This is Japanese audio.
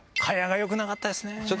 よくなかったですね